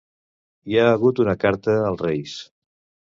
hi ha hagut una carta als Reis